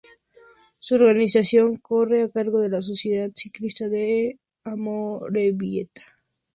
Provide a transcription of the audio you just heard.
Su organización corre a cargo de la Sociedad Ciclista Amorebieta.